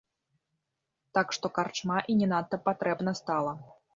Так што карчма і не надта патрэбна стала.